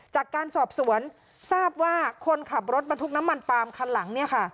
จากการสอบสวนทราบว่าคนขับรถบรรทุกน้ำมันฟาร์มคันหลังเนี่ยค่ะ